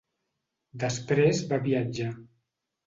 Després va viatjar.